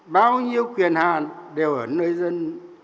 bao nhiêu quyền hạn đều ở nơi dân